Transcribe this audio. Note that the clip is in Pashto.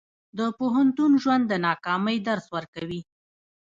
د پوهنتون ژوند د ناکامۍ درس ورکوي.